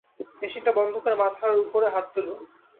মেশিনটা বন্ধ করে মাথার উপরে হাত তুলুন।